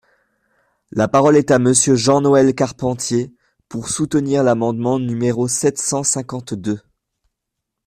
La parole est à Monsieur Jean-Noël Carpentier, pour soutenir l’amendement numéro sept cent cinquante-deux.